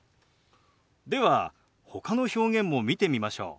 ではほかの表現も見てみましょう。